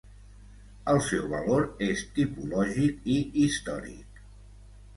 El seu valor és tipològic i històric.